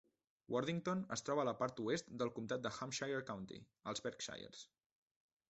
Worthington es troba a la part oest del comtat de Hampshire County, als Berkshires.